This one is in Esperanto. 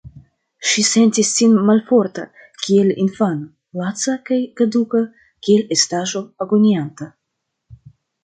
Ŝi sentis sin malforta kiel infano, laca kaj kaduka kiel estaĵo agonianta.